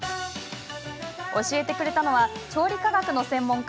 教えてくれたのは調理科学の専門家